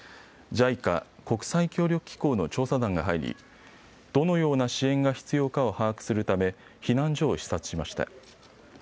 ＪＩＣＡ・国際協力機構の調査団が入りどのような支援が必要かを把握するため避難所を視察しました。